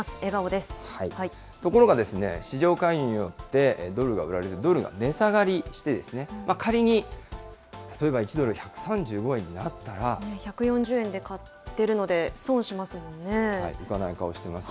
ところが、市場介入によって、ドルが売られてドルが値下がりして、仮に、１ドル１３５円になっ１４０円で買ってるので損し浮かない顔してます。